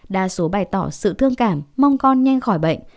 đa số bày tỏ sự thương cảm mong con nhanh khỏi bệnh